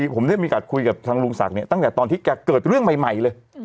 ผมได้มีโอกาสคุยกับทางลุงศักดิ์เนี่ยตั้งแต่ตอนที่แกเกิดเรื่องใหม่เลย